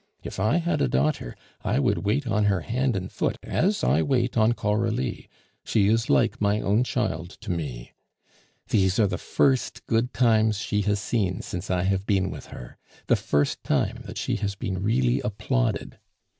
If I had a daughter, I would wait on her hand and foot as I wait on Coralie; she is like my own child to me. These are the first good times she has seen since I have been with her; the first time that she has been really applauded.